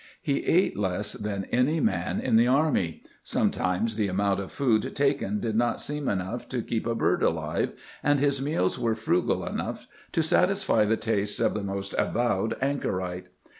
He ate less than any man in the army ; sometimes the amount of food taken did not seem enough to keep a bird ahve, and his meals were frugal enough to satisfy the tastes of the most avowed anchorite.